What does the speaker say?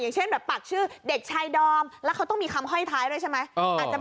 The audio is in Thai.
เช่นแบบปากชื่อเด็กชายดอมแล้วเขาต้องมีคำห้อยท้ายด้วยใช่ไหม